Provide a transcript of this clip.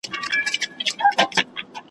ذخیرې چي پټي نه کړئ په کورو کي ,